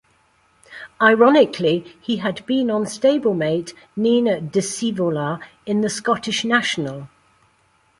Ironically, he had been on stablemate, Nine De Sivola in the Scottish National.